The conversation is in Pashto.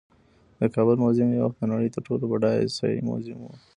د کابل میوزیم یو وخت د نړۍ تر ټولو بډایه آسیايي میوزیم و